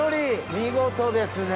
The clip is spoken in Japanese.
見事ですね。